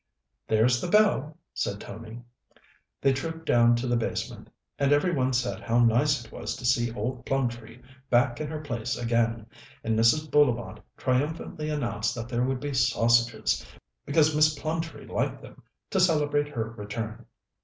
"There's the bell," said Tony. They trooped down to the basement, and every one said how nice it was to see old Plumtree back in her place again, and Mrs. Bullivant triumphantly announced that there would be sausages, because Miss Plumtree liked them, to celebrate her return.